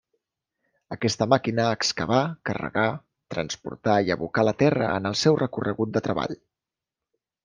Aquesta màquina excavar, carregar, transportar i abocar la terra en el seu recorregut de treball.